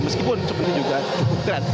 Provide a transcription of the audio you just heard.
meskipun seperti juga cukup keren